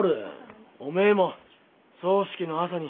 おめえも葬式の朝に。